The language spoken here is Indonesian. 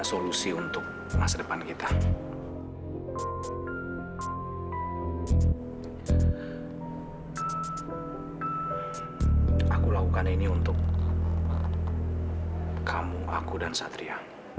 sampai jumpa di video selanjutnya